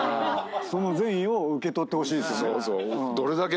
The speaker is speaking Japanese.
その善意を受け取ってほしいですよね。